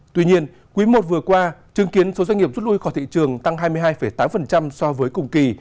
tuy nhiên quý i vừa qua chứng kiến số doanh nghiệp rút lui khỏi thị trường tăng hai mươi hai tám so với cùng kỳ